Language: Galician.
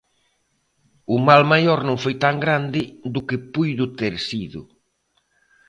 O mal maior non foi tan grande do que puido ter sido.